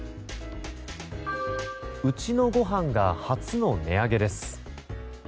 うちのごはんが初の値上げです。